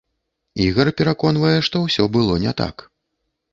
Ігар пераконвае, што ўсё было не так.